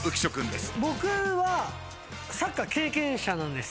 僕はサッカー経験者なんです。